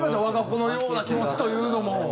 我が子のような気持ちというのも。